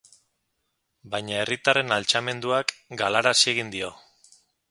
Baina herritarren altxamenduak galarazi egin dio.